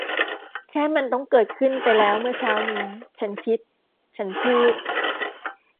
แต่มันต้องเกิดขึ้นไปแล้วเมื่อเช้านี้ ฉันคิด ฉันพูด